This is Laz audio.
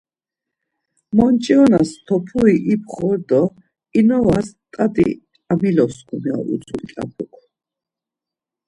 Monç̌inoras topri ipxor do inuvas tati amiloskam ya utzu mǩyapuk.